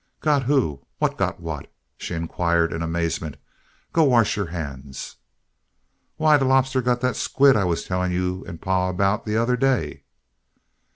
"Got who? What got what?" she inquired in amazement. "Go wash your hands." "Why, that lobster got that squid I was telling you and pa about the other day."